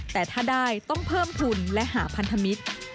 แต่ถ้าได้ต้องเพิ่มทุนและหาพันธมิตร